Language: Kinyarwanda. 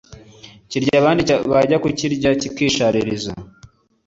kirya abandi bajya kucyirya kikishaririza